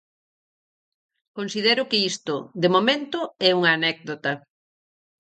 Considero que isto, de momento, é unha anécdota.